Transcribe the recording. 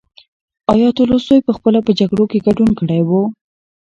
ایا تولستوی پخپله په جګړو کې ګډون کړی و؟